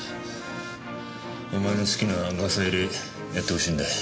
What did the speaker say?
お前の好きなガサ入れやってほしいんだよ。